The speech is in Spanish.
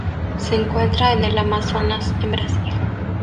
Se encuentra en el Amazonas en Brasil.